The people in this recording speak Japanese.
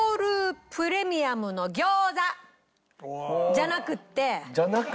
「じゃなくって」？